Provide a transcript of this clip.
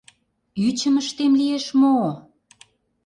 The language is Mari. — Ӱчым ыштем лиеш мо-о?